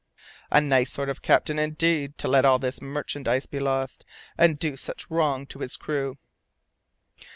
A nice sort of captain, indeed, to let all this merchandise be lost, and do such wrong to his crew!"